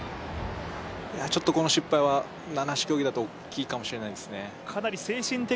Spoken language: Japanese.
ちょっとこの失敗は七種競技だと大きいかもしれないですね。